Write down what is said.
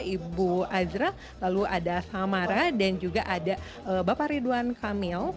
ibu azra lalu ada samara dan juga ada bapak ridwan kamil